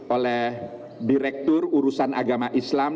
oleh direktur urusan agama islam dan perintah islam